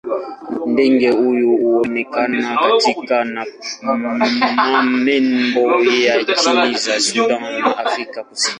Ndege huyu huonekana katika nembo ya nchi za Sudan na Afrika Kusini.